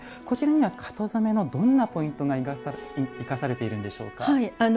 こちらには型染めのどんなポイントが生かされているんでしょうか？